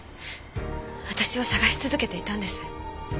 私を捜し続けていたんです。